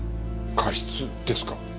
過失ですか？